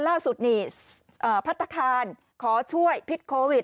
ล่าสุดนี่พัฒนาคารขอช่วยพิษโควิด